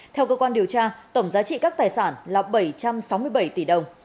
theo cơ quan điều tra tổng giá trị các tài sản là bảy trăm sáu mươi bảy tỷ đồng